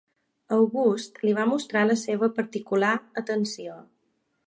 August li va mostrar la seva particular atenció.